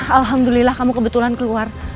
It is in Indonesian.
alhamdulillah kamu kebetulan keluar